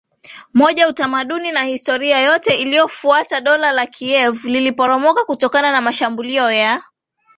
moja utamaduni na historia yote iliyofuataDola la Kiev liliporomoka kutokana na mashambulio ya